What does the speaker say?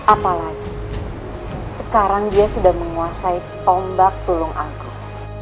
apalagi sekarang dia sudah menguasai tombak tulung angkrong